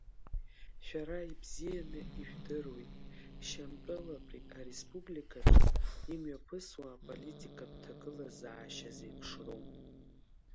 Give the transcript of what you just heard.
Шәара ибзианы ижәдыруеит Шьамтәылатәи Ареспубликаҿы имҩаԥысуа аполитикатә ҭагылазаашьа зеиԥшроу.